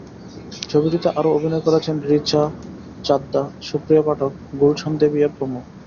ছবিটিতে আরও অভিনয় করেছেন রিচা চাদ্ধা, সুপ্রিয়া পাঠক, গুলশান দেবিয়া প্রমুখ।